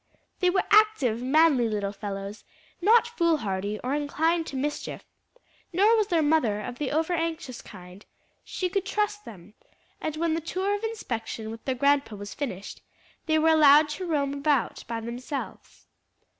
They were active, manly little fellows, not fool hardy or inclined to mischief; nor was their mother of the over anxious kind; she could trust them, and when the tour of inspection with their grandpa was finished, they were allowed to roam about by themselves.